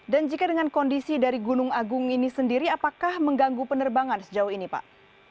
dan jika dengan kondisi dari gunung agung ini sendiri apakah mengganggu penerbangan sejauh ini pak